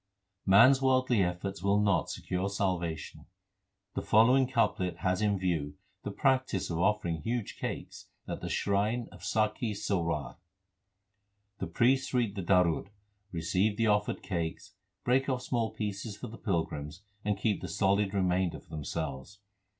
1 Man s worldly efforts will not secure salvation. The following couplet has in view the practice of offering huge cakes at the shrine of Sakhi Sarwar. The priests read the darud, 2 receive the offered cakes, break off small pieces for the pilgrims, and keep the solid remainder for themselves.